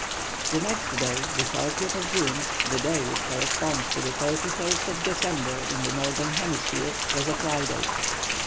The next day, the 30th of June, the day which corresponds to the 3lst of December in the Northern Hemisphere, was a Friday.